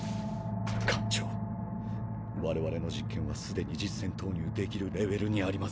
艦長我々の実験はすでに実戦投入できるレベルにあります。